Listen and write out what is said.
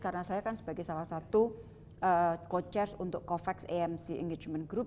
karena saya kan sebagai salah satu co chair untuk covax amc engagement group